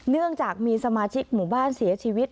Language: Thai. เนื่องจากมีสมาชิกหมู่บ้านเสียชีวิต